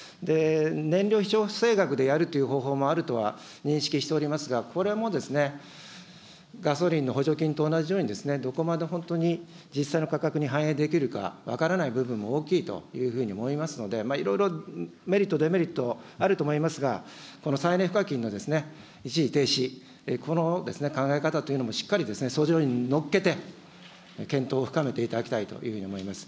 燃料費調整額でやるっていう方法もあると認識しておりますが、これもガソリンの補助金と同じように、どこまで本当に実際の価格に反映できるか、分からない部分も大きいというふうに思いますので、いろいろメリット、デメリットあると思いますが、この再エネ賦課金の一時停止、この考え方というのもしっかりそ上にのっけて、検討を深めていただきたいというふうに思います。